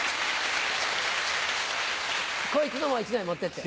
こいつのも１枚持ってって。